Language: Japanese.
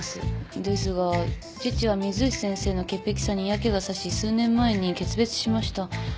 ですが父は水内先生の潔癖さに嫌気がさし数年前に決別しました。